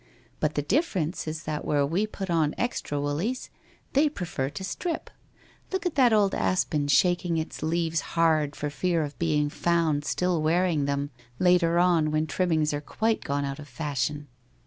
But the difference is that where we put on extra woollies, they prefer to strip. Look at that old aspen shaking its leaves hard for fear of being found still wearing them, later on, when trimmings are quite gone out of fashion.'